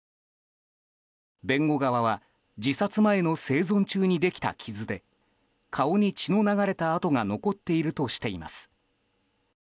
弁護側は自殺前の生存中にできた傷で顔に血の流れた痕が残っているとしています。